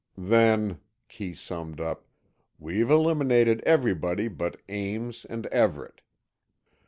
"Then," Kee summed up, "we've eliminated everybody but Ames and Everett.